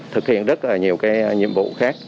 thực hiện rất là nhiều cái nhiệm vụ khác